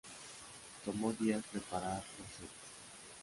Tomó días preparar los sets.